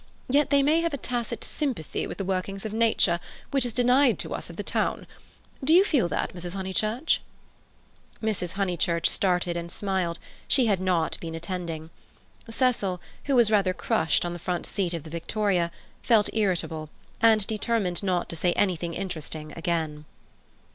Yet they may have a tacit sympathy with the workings of Nature which is denied to us of the town. Do you feel that, Mrs. Honeychurch?" Mrs. Honeychurch started and smiled. She had not been attending. Cecil, who was rather crushed on the front seat of the victoria, felt irritable, and determined not to say anything interesting again.